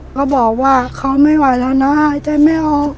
เขาบอกว่าเขาไม่ไหวแล้วนะหายใจไม่ออก